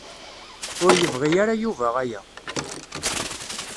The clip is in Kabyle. Ur yebɣi ara Yuba aya.